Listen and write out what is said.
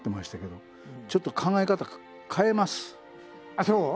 あっそう？